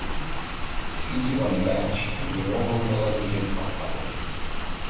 Fiji won the match and the inaugural Melanesian Cup title.